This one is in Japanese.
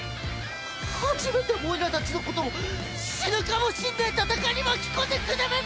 初めておいらたちのことを死ぬかもしんねえ戦いに巻き込んでくれやばい